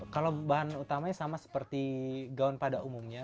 kalau bahan utamanya sama seperti gaun pada umumnya